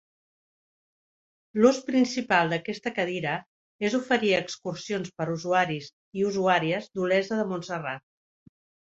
L'ús principal d'aquesta cadira és oferir excursions per usuaris i usuàries d'Olesa de Montserrat.